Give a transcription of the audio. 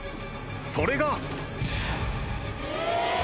［それが］